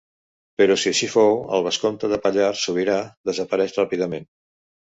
Però, si així fou, el vescomte de Pallars Sobirà desapareix ràpidament.